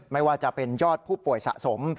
ไม่ว่าจะเป็นยอดผู้ป่วยสะสม